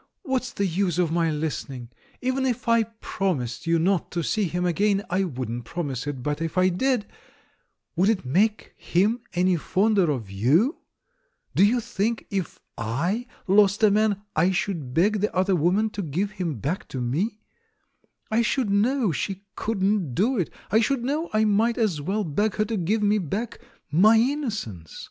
"What's the use of my listening? Even if I promised you 858 THE MAN WHO UNDERSTOOD WOMEN not to see him again — I wouldn't promise it, but if I did — would it make him any fonder of you? Do you think, if I lost a man, I should beg the other woman to give him back to me? I should know she couldn't do it ; I should know I might as well beg her to give me back — my innocence.